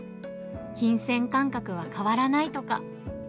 金銭感覚は変わらないとか。